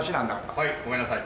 はいごめんなさい。